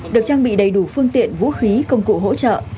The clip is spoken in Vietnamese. được trang bị đầy đủ phương tiện vũ khí công cụ hỗ trợ